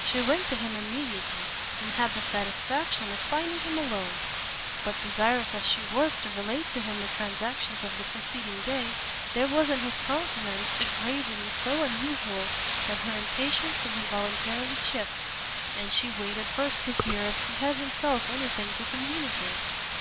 She went to him immediately, and had the satisfaction of finding him alone: but desirous as she was to relate to him the transactions of the preceding day, there was in his countenance a gravity so unusual, that her impatience was involuntarily checked, and she waited first to hear if he had himself any thing to communicate.